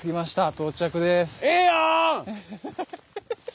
到着です。